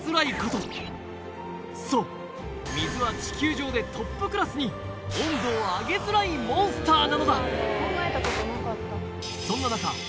それはそう水は地球上でトップクラスに温度を上げづらいモンスターなのだそんななかＫＩＮＧ